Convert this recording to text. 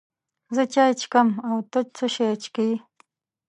زه چای چکم، او ته څه شی چیکې؟